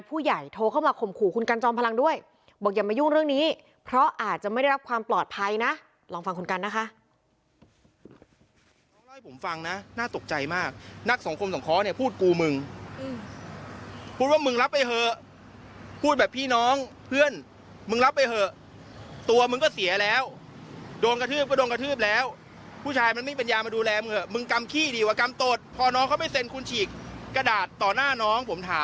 โทรเข้ามาข่มขู่คุณกันจอมพลังด้วยบอกอย่ามายุ่งเรื่องนี้เพราะอาจจะไม่ได้รับความปลอดภัยนะลองฟังคุณกันนะคะ